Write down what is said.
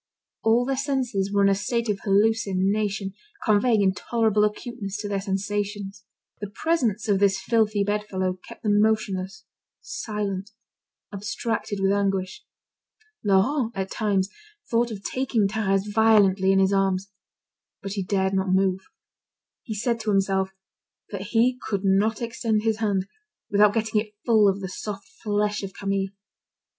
All their senses were in a state of hallucination, conveying intolerable acuteness to their sensations. The presence of this filthy bedfellow kept them motionless, silent, abstracted with anguish. Laurent, at times, thought of taking Thérèse violently in his arms; but he dared not move. He said to himself that he could not extend his hand, without getting it full of the soft flesh of Camille.